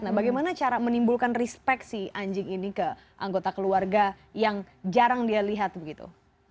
nah bagaimana cara menimbulkan respect sih anjing ini ke anggota keluarga yang jarang dia lihat begitu